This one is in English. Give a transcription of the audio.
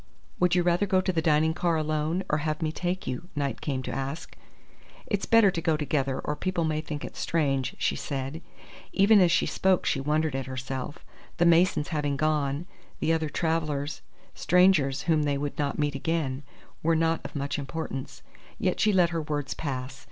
"Would you rather go to the dining car alone, or have me take you?" Knight came to ask. "It's better to go together, or people may think it strange," she said. Even as she spoke she wondered at herself. The Masons having gone, the other travellers strangers whom they would not meet again were not of much importance. Yet she let her words pass.